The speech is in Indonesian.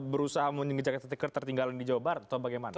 berusaha mengejar ketiket tertinggalan di jawa barat atau bagaimana